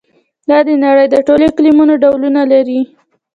دا د نړۍ د ټولو اقلیمونو ډولونه لري.